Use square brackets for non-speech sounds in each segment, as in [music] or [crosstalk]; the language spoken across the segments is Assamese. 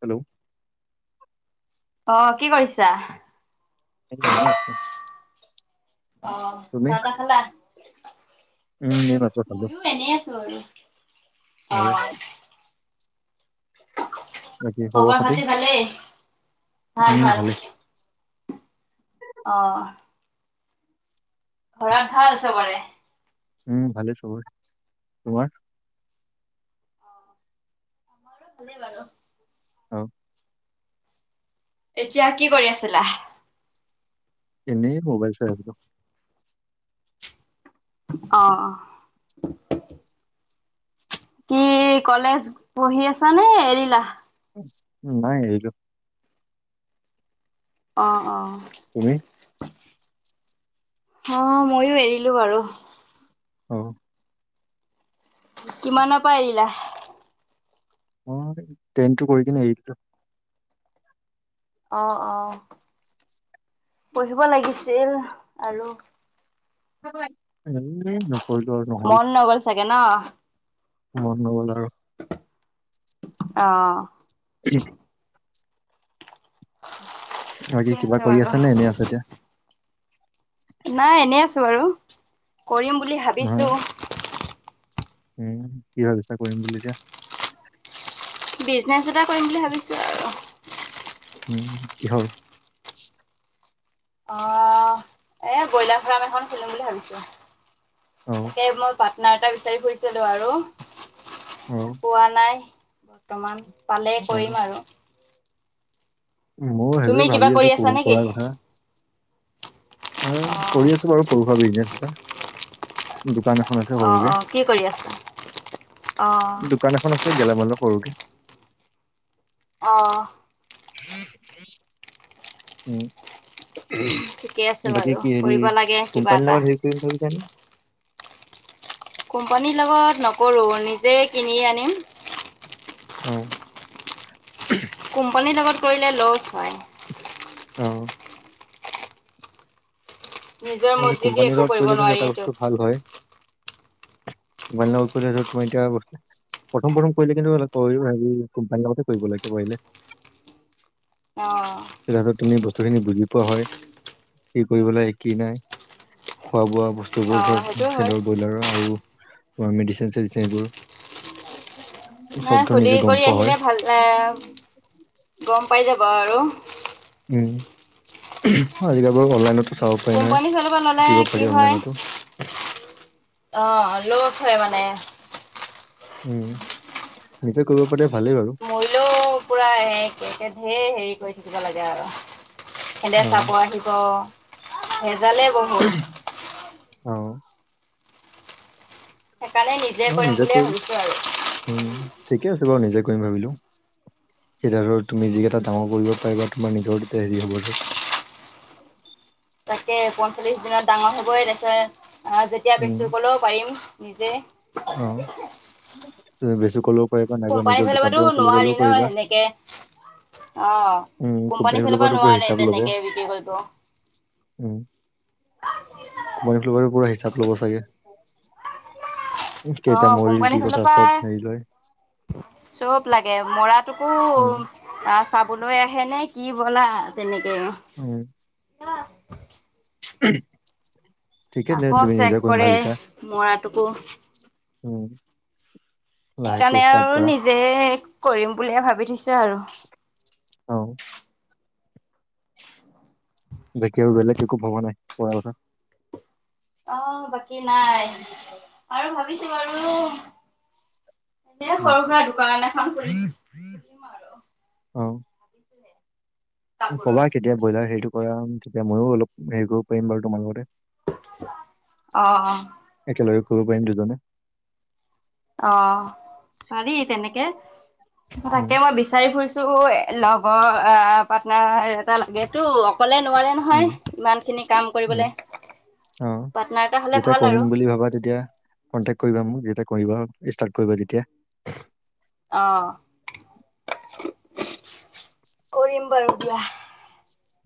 হেল্ল', অ, কি কৰিছা? এতিয়া এনে আছোঁ। অ, চাহ তাহ খালা? উম এই মাত্ৰ খালো ময়ো এনে আছো আৰু অ। আৰু খবৰ খাতি ভালেই ভাল উম - ভাল। ভালে অ', ঘৰত ভাল চবৰে? উম, ভালেই চবৰে তোমাৰ? [unintelligible] বাৰু। অ', এতিয়া কি কৰি আছিলা? এনেই মোবাইল চাই আছিলোঁ। অ', অ', কি কলেজ পঢ়ি আছ নে এৰিলা? উম, নাই এৰিলো। অ', অ', তুমি? অ, ময়ো এৰিলো বাৰু। অ', কিমানৰ পা এৰিলা? মই টেনটো কৰি কিনে এৰি দিলো। অ', অ', পঢ়িব লাগিছিল আৰু। [unintelligible] কৰিলোঁ আৰু ন' মন নগল চাগে ন? মন নগ'ল আৰু। অ'। [unintelligible] বাকী ঠিকে কিবা কৰি বাৰু। আছে নে এনেই আছাঁ এতিয়া? নাই এনে আছোঁ আৰু কৰিম বুলি নহয় ভাবিছোঁ। উম কি ভাবিছা কৰিম বুলি এতিয়া। বিজনেছ এটা কৰিম বুলি ভাবিছোঁ আৰু। উম, কিহৰ? এই ব্ৰইলাৰ ফাৰ্ম এখন খুলিম বুলি ভাবিছোঁ, অ তাকে মই পাৰ্টনাৰ এটা বিচাৰি ফুৰিছিলোঁ আৰু অ পোৱা নাই। বৰ্তমান পালেই অ কৰিম আৰু। ময়ো তুমি সেইবোৰ কিবা ভাবি কৰি আছোঁ আছা কোনো নেকি? কৰাৰ কথা। উম অ', কৰি আছোঁ বাৰু সৰু-সুৰাবিজনেছ এটা। দোকান এখন আছে অ', সৰুকে। অ', কি কৰি আছা? অ', দো দোকান এখন আছে গেলামালৰ সৰুকে। অ'। উম। ঠিকে আছে বাৰু কৰিব লাগে কিবা এটা। কোন কোম্পানী? কোম্পানীৰ লগত নকৰোঁ, নিজে কিনি আনিম। অ'। কোম্পানীৰ লগত কৰিলে ল'ছ হয়। অ' নিজৰ মানে মৰ্জিদি কোম্পানীৰ একো লগত কৰিব কৰিলে কিন্তু নোৱাৰি সেইটো। ভাল হয় [inaudible] তোমাৰ লগত কৰিলেতো তোমাৰ এতিয়া প্ৰথম-প্ৰথম কৰিলে কিন্তু অলপ [unintelligible] কোম্পানীৰ লগতে কৰিব লাগিব এনে। অ' তেতিয়াটো তুমি বস্তুখিনি বুজি পোৱা হয়, কি কৰিব লাগে কি নাই। খোৱা-বোৱা বস্তুবোৰ অ', ধৰ সেইটো হয়। সিহঁতৰ ব্ৰইলাৰৰ আৰু মেডিচিন চেডিচিন এইবোৰ। চব নাই ধৰ সুধি নিজে গম কৰি পোৱা হয় আহিলে ভাল অ' গম পাই যাব আৰু। উম, উহু আজিকালি বাৰু অনলাইনতে চাব পাৰি নহয় কোম্পানীৰ ফালৰ পৰা ল'লে শিকিব পাৰি কি হয় অনলাইনতো অ' লছ হয় মানে। উম, নিজে কৰিব পাৰে ভালেই বাৰু। হ'লেও পুৰা এক ধেৰ হেৰি কৰি থাকিব লাগে আৰু সিহঁতে অ চাব আহিব ভেজালেই বহুত। অ' সেইকাৰণে নিজে অ কৰিম বুলিয়ে কৰি ভাবিছোঁ আৰু। উম, ঠিকে আছে বাৰু নিজে কৰিম ভাবিলেও। এতিয়া ধৰা তুমি যিকেইটা ডাঙৰ কৰিব পাৰিবা তোমাৰ নিজৰ এ হেৰি হ'ব ধৰ। তাকে পঞ্চল্লিছ দিনত ডাঙৰ হ'ব তাৰপিছত যেতিয়া উম, বেচিবলৈ পাৰিম নিজে। অ' বেছি ক'লেও পাৰিবা নাইবা কোম্পানীৰ নিজৰ ফালৰ দোকান চোকান পৰাটো খুলি নোৱাৰি ক'লেও ন' পাৰিবা। সেনেকে? উম, অ' কোম্পানীৰ ফালৰ পৰা পৰাতো পুৰা নোৱাৰে হিচাপ ল'ব। তেনেকে বিক্ৰী কৰিব। উম, কোম্পানীৰ ফালৰ পৰা পোৰা হিচাপ ল'ব চাগে? উম, অ কেইটা মৰিল কি কোম্পানীৰ ফালৰ কথা পা চব হেৰি লয়। চব লাগে মৰাটোকো। উম, অ' চাবলৈ আহেনে কি ব'লা তেনেকে উম। আহ। উম ঠিকেই ন আকৌ তুমি চেক নিজে কৰিম কৰে ভাবিছা। মৰাটোকো উম। লাহেকে সেইকাৰণে ষ্টাৰ্ট আৰু কৰা নিজে কৰিম বুলিয়ে ভাবি থৈছো আৰু অ [inaudible] বাকি আৰু বেলেগ একো ভবা নাই পঢ়াৰ কথা। আহ বাকী নাই আৰু ভাবিছো বাৰু। এনে উম, সৰু সুৰা দোকান এখন খুলিম আৰু অঁ। [inaudible] কবা কাপোৰৰ কেতিয়া ব্ৰইলাৰ হেৰিটো কৰা তেতিয়া ময়ো অলপ হেৰি কৰিব পাৰিম বাৰু তোমাৰ লগতে। অঁ অঁ। একেলগে কৰিব পাৰিম দুজনে। অ পাৰি তেনেকে উম। তাকে মই বিচাৰি ফুৰিছো। ত লগৰ পাৰ্টনাৰ এটা লাগেতো। অকলে নোৱাৰে উম, নহয়, ইমানখিনি কাম উম, কৰিবলে। অ, পাৰ্টনাৰ এটা হলে যেতিয়া ভাল আৰু কৰিম বুলি ভাবা তেতিয়া কণ্টেক কৰিবা মোক যেতিয়া কৰিব ষ্টাৰ্ট কৰিবা তেতিয়া। অ, কৰিম বাৰু দিয়া।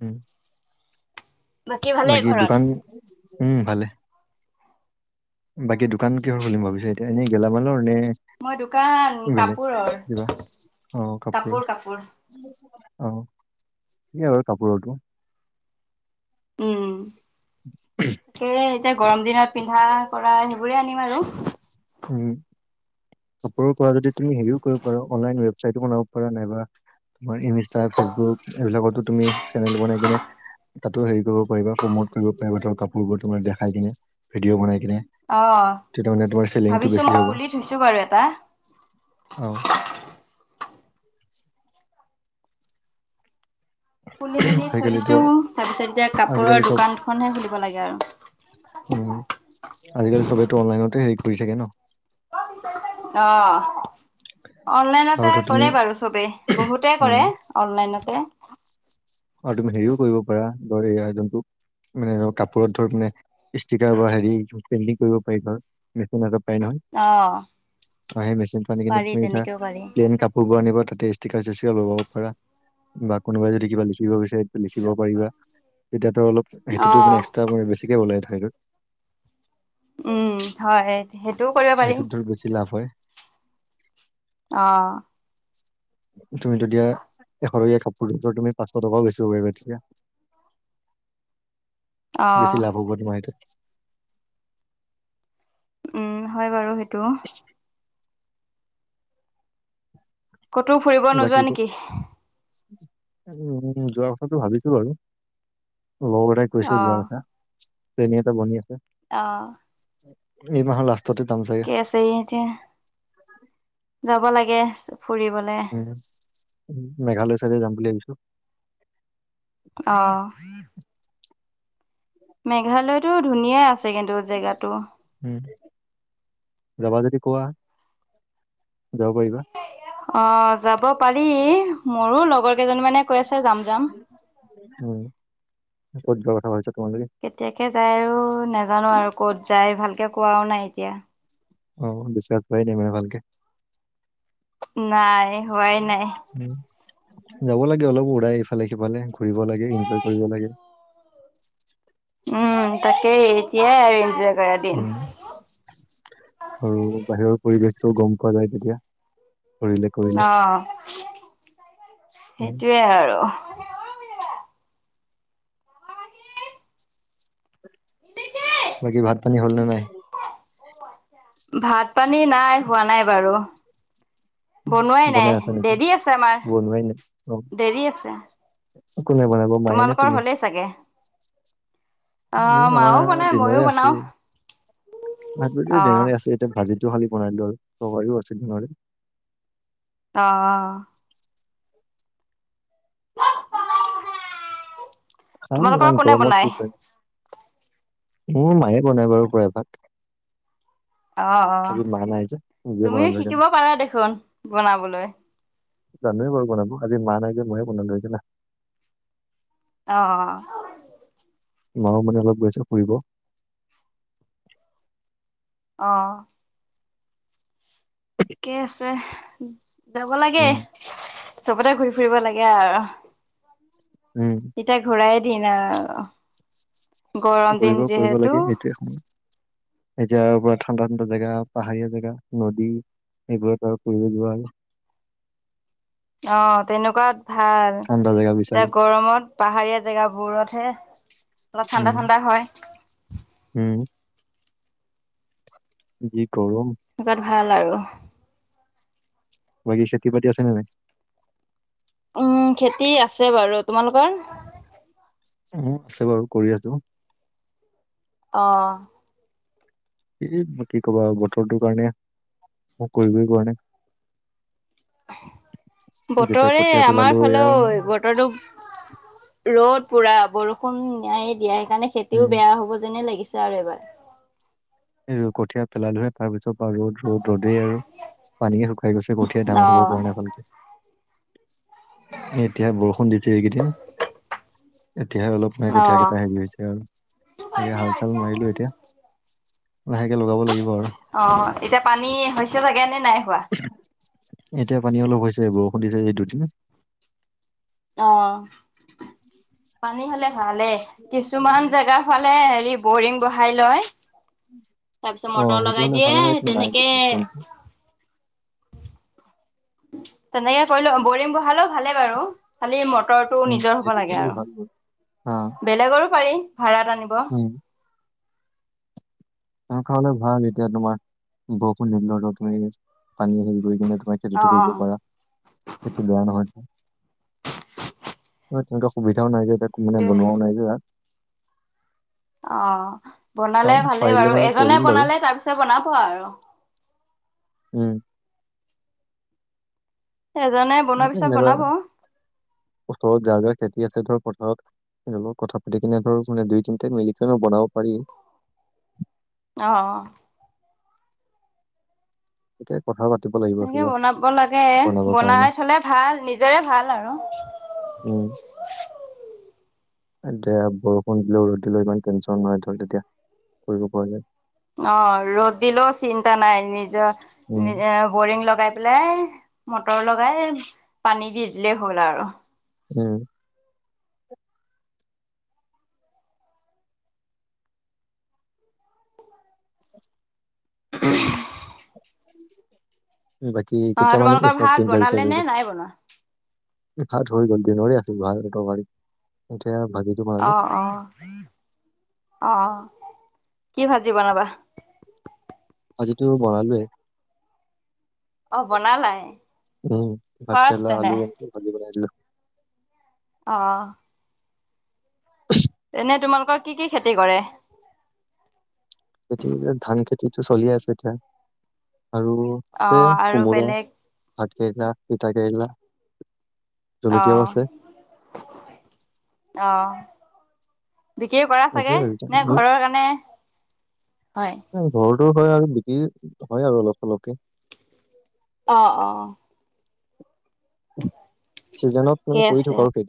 উম, ভালেই বাকী ঘৰত দোকান উম, ভালে। বাকী দোকান কিহৰ খুলিম ভাবিছ এতিয়া এনেই গেলামালৰ নে? মই দোকান বেলেগ কাপোৰৰ কিবা অহ, কাপোৰৰ। কাপোৰ কাপোৰ অহ কেই কাপোৰটো। উম তাকে এতিয়া গৰম দিনত পিন্ধা কৰা সেইবোৰে আনিম আৰু উম, কাপোৰৰ পৰা যদি তুমি হেৰিও কৰিব পাৰা অনলাইন ৱেবছাইটো বনাব পাৰা নাইবা। তোমাৰ ইনষ্টা ফেচবুক এইবিলাকতো তুমি চেনেল বনাই কিনে। তাতো হেৰি কৰিব পাৰিবা প্ৰমোট কৰিব পাৰিবা ত কাপোৰবোৰ তো দেখাই কিনে ভিডিঅ' বনাই কিনে। অ তেতিয়া মানে তোমাৰ চেলিংটো ভাবিছো বেছি মই হ'ব পুলি থৈছো বাৰু এটা। অহ খুলি মেলি থৈ দিছো আজিকালিতো তাৰপিছত এতিয়া আজিকালি কাপোৰৰ চব দোকানখনহে খুলিব লাগে আৰু উম আজিকালি চবেইতো অনলাইনতে হেৰি কৰি থাকে ন। আহ। আৰু অনলাইনতে ধৰ তুমি কৰে বাৰু চবেই বহুতে উম কৰে অনলাইনতে। আৰু তুমি হেৰিও কৰিব পাৰা ধৰ এই আয়োজনতোক মানে ধ কাপোৰত ধৰ মানে ষ্টিকাৰ বা হেৰি পেইণ্টিং কৰিব পাৰি, ধৰ মেচিন আগত পাই নহয়। অ'। অ, মেচিন পানী খিনি পাৰি তুমি ধৰা তেনেকেও পাৰি। প্লেন কাপো শুব নিব তাতে ষ্টিকাৰ স্পিকাৰ লগাব পাৰা বা কোনোবাই যদি কিবা লিখি লিব বিচাৰ লিখিব পাৰিবা, তেতিয়াতো অলপ সেইটোতো মানে অ', এক্সট্ৰা বেছিকে বললে থ সেইটো উম, হয় সেইটোও কৰিব পাৰি এইটোত ধৰ বেছি লাভ হয়। অ', তুমি যেতিয়া এশৰকীয়া কাপোৰ ধ তুমি পাঁচশ টকাও বেচিব পাৰিবা তেতিয়া। [inaudible] বেছি অ'। লাভ হ'ব তোমাৰ এইটোত। উম, হয় বাৰু সেইটো', উম', ক'তো ফুৰিব বাকী নোযোৱা নেকি? উম, যোৱা কথাটো ভাবিছো আৰু লগ এটাই। কৈছিল যোৱাৰ অ', কথা প্লেনিং এটা বনি আছে', অহ', উম', এই মাহৰ লাষ্টতে যাম চাগে', তে', এতিয়া', যাব লাগে, চ', ফুৰিবলে', উম', -উম', মেঘালয় চাইডে যাম বুলি ভাবিছোঁ', অ', মেঘালয়তো ধুনীয়া আছে কিন্তু জেগাটো', উম, যাবা যদি কোৱা যাব পাৰিবা', অ', যাব পাৰি, মোৰো লগৰ কেইজনী মানে কৈ আছে যাম - যাম', উম', ক'ত যোৱাৰ কথা ভাবিছা তোমালোকে? কেতিয়াকে যায় আৰু নাজানোঁ আৰু ক'ত যায় ভালকে কোৱাও নাই এতিয়া', অ', বিশ্বাস হোৱায়ে নাই মানে ভালকে', নাই হোৱাই নাই', উম, যাব লাগে অলপ ওলাই ইফালে সিফালে ঘুৰিব লাগে, এনজয় কৰিব লাগে', উম', তাকেই এতিয়া এনজয়', কৰা দিন। উম', আৰু বাহিৰৰ পৰিৱেশটো গম পোৱা যায় তেতিয়া ফুৰিলে', অ', উম, সেইটোয়ে আৰু', বাকী ভাত পানী হ'ল নে নাই? ভাত পানী নাই হোৱা নাই বাৰু', বনোৱাই বনাই নাই আছা নেকি দেৰি আছে আমাৰ, বনোৱাই নাই অ, দেৰি আছে', কোনে বনাব? মায়ে নে তোমালোকৰ তুমি হ'লেই চাগে', অ উম', মাও আমাৰ বনাই ময়ো দিনৰে বনাও আছেই, ভাত বাকী অ। দিনৰে আছে', এতিয়া ভাজিটো খালি বনাই দিলোঁ আৰু তৰকাৰীও আছে দিনৰে', অহ', তোমালোকৰ কোনে বনাই [unintelligible] মোৰ মায়ে বনাই বাৰু প্ৰায়ভাগ', অ', মা নাই যে -অ', নিজে তুমিও বনালো সেইকাৰণে শিকিব পাৰা দেখোন, বনাবলৈ', জানোৱে বাৰু বনাব, আজি মা নাইকিয়া মোয়ে বনালোঁ এইবিলাক', অহ', মা মানে অলপ গৈছে ফুৰিব', অহ', ঠিকে আছে হ', যাব লাগে, উম চবতে ঘূৰি ফুৰিব লাগে আৰু', উম', এতিয়া ঘূৰাই দিন আৰু, গৰম দিন যিহেতু', উম', এতিয়াৰ পৰা ঠাণ্ডা-ঠাণ্ডা জেগা, পাহাৰীয়া জেগা, নদী', এইবোৰতো আৰু ফুৰি যোৱা হ'লে', অ', তেনেকুৱাত ভাল, ঠাণ্ডা জেগা এতিয়া বিচাৰি গৰমত', পাহাৰীয়া জেগাবোৰতহে', অলপ ঠাণ্ডা উম', ঠাণ্ডা হয় - উম', যি‌ গৰম', বতৰ ভাল আৰু', বাকী, খেতিপাতি আছে নে নাই? উম। খেতি আছে বাৰু তোমালোকৰ? অ আছে বাৰু কৰি আছোঁ। অহ। এই, মোক কি ক'বা আৰু বতৰটো কাৰণে, মোক কৰিবই পৰা নাই', যেতিয়া বতৰে কঠীয়া পেলালো আমাৰ এয়া ফালেও বতৰটো', ৰ'দ পুৰা বৰষুণ নায়েই দিয়া সেইকাৰণে খেতিও উম বেয়া হ'ব যেনে লাগিছে', তাৰে এবাৰ কঠীয়া পেলালোহে তাৰ পিছত পৰা ৰ'দ ৰ'দ ৰ'দেই আৰু পানীয়ে শুকাই গৈছে। কঠিয়াই ডাঙৰ হব পৰা নাই ভালকে। এতিয়াহ বৰষুণ দিছে এইকেইদিন এতিয়াহে অলপ এই অ কঠীয়া অ কেইটা হেৰি হৈছে আৰু এহ হাল চাল মাৰিলো এতিয়া। লাহেকে লগাব লাগিব আৰু অ এতিয়া পানী হৈছে চাগে নে নাই হোৱা এতিয়া পানী অলপ হৈছে বৰষুণ দিছে এই দুদিন অ পানী হলে ভালেই, কিছুমান জেগা ফালে হেৰি বৰিং বহাই লয়। তাৰপিছত অ মটৰ সেইটো লগাই হ'লে ভাল হয় দিয়ে, এইটো নাই তেনেকে চিষ্টেমটো তেনেকে কৰিলও বৰিং বহালেও ভালে বাৰু খালি মটৰটো উম নিজৰ হব সেইটো লাগে কৰিলে আৰু ভাল হয় হা বেলেগৰো পাৰি, ভাড়াত আনিব উম। তেনেকুৱা হলে ভাল। এতিয়া তোমাৰ বৰষুণ দিওঁতে তুমি পানী আহ গৈ কিনে তোমাৰ খেতিটো কৰিব পৰা, সেইটো বেয়া নহয়। তেনেকুৱা সুবিধাও নাই যে মানে সেইটোৱে। বনোৱাও নাই যে অহ চাওঁ বনালে ভালেই পাৰিলে বাৰু এজনে কৰিম বাৰু বনালে তাৰ পিছত বনাব আৰু উম। এজনে বনোৱাৰ পিছত এনেকা বনাব, ওচৰত যাৰ যাৰ খেতি আছে, হেতৰ পথাৰত লগত কথা পাতি কিনে ধৰক মানে দুই তিনিটাই মিলি পেলাইও বনাব পাৰি। অহ অহ। এতিয়া কথা পাতিব লাগিব। তেনেকে কিবা বনাব লাগে, বনাবৰ কাৰণে বনাই থলে ভাল। নিজৰে ভাল আৰু উম। এতিয়া বৰষুণ দিলেও, ৰদ দিলেও ইমান টেনশ্যন নহয় তহ তেতিয়া কৰিব পৰা যায়। অহ, ৰদ দিলেও চিন্তা নাই। নিজৰ উম নিজে বৰিং লগাই পেলাই মটৰ লগাই পানী দি দিলেই হল আৰু উম। উম। বাকী কেইটা অ' মানে, কি তোমালোকৰ চব ভাত কৰিম বুলি ভাবিছা বনালে এনে নে নাই বনোৱা? ভাত হৈ গল দিনৰে আছিল। ভাত, এতিয়া ভাগিন অহ, অহ, অহ, কি ভাজি বনাবা? ভাজিটো বনালোৱে অ বনালাই। উম, ফাৰ্ষ্ট ভাতকেৰেলা, তেনে আলু ভাজি বনাই দিলোঁ। অহ [unintelligible] এনে তোমালোকৰ কি কি খেতি কৰে? খেতি ধান খেতিটো চলি আছে এতিয়া আৰু আছে অ' আৰু কোমোৰা বেলেগ ভাত কেৰেলা তিতাকেৰেলা। আহ আহ। বিক্ৰী কৰা চাগে এইবোৰে নে আৰু ঘৰৰ কাৰণে হয়। ঘৰতো হয় আৰু বিকি হয় আৰু অলপ চলপকে। অহ অহ সিজনক ঠিকে মানে কৰি আছে থাকক আৰু সেইটোৱে